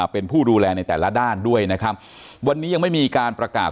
เป็นผู้ดูแลในแต่ละด้านด้วยนะครับวันนี้ยังไม่มีการประกาศ